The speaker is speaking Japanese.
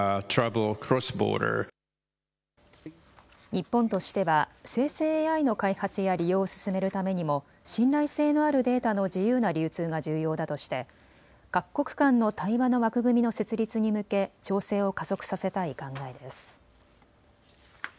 日本としては生成ＡＩの開発や利用を進めるためにも信頼性のあるデータの自由な流通が重要だとして各国間の対話の枠組みの設立に向け調整を加速させたい考えです。